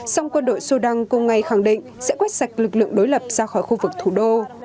song quân đội sudan cùng ngày khẳng định sẽ quét sạch lực lượng đối lập ra khỏi khu vực thủ đô